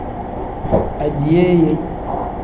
Adiyeeye.